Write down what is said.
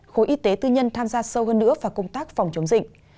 khối y tế tư nhân tham gia sâu hơn nữa vào công tác phòng chống dịch